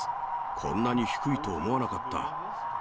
こんなに低いと思わなかった。